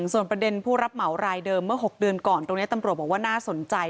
ส่วนประเด็นผู้รับเหมารายเดิมเมื่อ๖เดือนก่อนตรงนี้ตำรวจบอกว่าน่าสนใจ